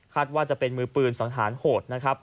ว่าจะเป็นมือปืนสังหารโหดนะครับ